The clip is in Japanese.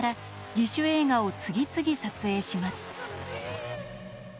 自主映画を次々撮影します。